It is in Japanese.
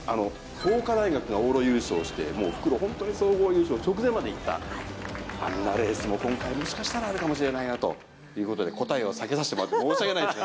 創価大学が往路優勝して、復路、本当に総合優勝直前までいった、あんなレースも今回、もしかしたらあるかもしれないなということで、答えを避けさせてもらって申し訳ない。